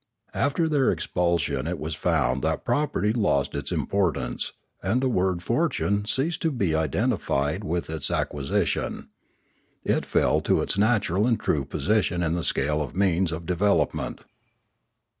After their expulsion it was found that property lost its importance, and the word "fortune" ceased to be identified with its 528 Limanora acquisition. It fell to its natural and true position in the scale of means of development.